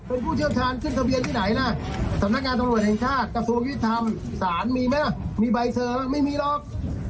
เป็นผู้เชี่ยวชาญขึ้นทะเบียนที่ไหนนะสำนักงานตำรวจแห่งชาติกระทรวงยุทธรรมศาลมีไหมล่ะมีใบเซอร์แล้วไม่มีหรอก